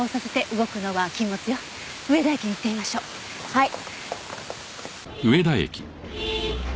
はい。